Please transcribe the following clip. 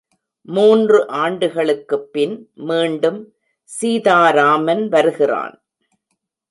மூன்று ஆண்டுகளுக்குப்பின் மீண்டும் சீதாராமன் வருகிறான்.